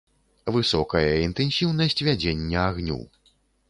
Высокая інтэнсіўнасць вядзення агню.